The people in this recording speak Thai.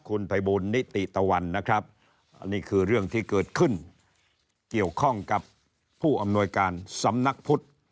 คุณภัยบูลนิติตะวันนะครับอันนี้คือเรื่องที่เกิดขึ้นเกี่ยวข้องกับผู้อำนวยการสำนักพุทธ